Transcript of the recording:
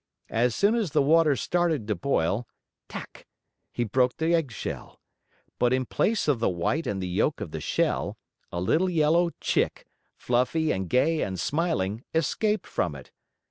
As soon as the water started to boil tac! he broke the eggshell. But in place of the white and the yolk of the egg, a little yellow Chick, fluffy and gay and smiling, escaped from it.